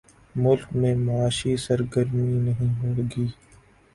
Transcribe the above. ملک میں معاشی سرگرمی نہیں ہو گی۔